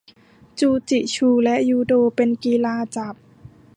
จูจิชูและ ยูโด เป็นกีฬาจับ